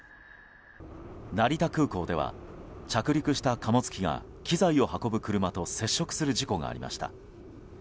成田空港では、着陸した貨物機が機材を運ぶ車と接触する事故がありました。